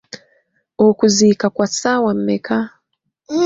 Okuziika kwa ssaawa mmeka?